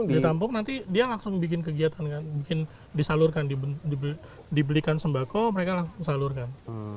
ditampung nanti dia langsung bikin kegiatan kan bikin disalurkan dibelikan sembako mereka langsung salurkan